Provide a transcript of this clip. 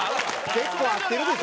結構会ってるでしょ？